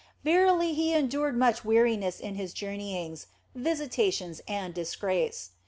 Verily He endured much weariness in His journeyings, visitations, and disgrace.